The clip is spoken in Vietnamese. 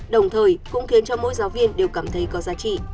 đồng thời cũng khiến cho mỗi giáo viên đều cảm thấy có giá trị